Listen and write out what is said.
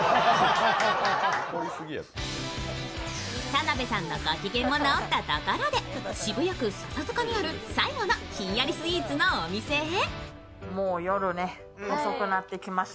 田辺さんのご機嫌も直ったところで渋谷区笹塚にあるひんやりスイーツの最後のお店へ。